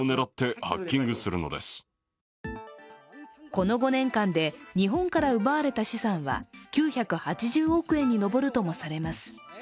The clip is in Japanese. この５年間で日本から奪われた資産は９８０億円に上るともされます。